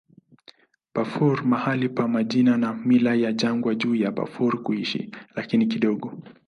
Bafur mahali pa majina na mila ya jangwa juu ya Bafur kuishi, lakini kidogo.